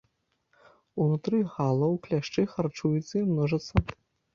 Унутры галаў кляшчы харчуюцца і множацца.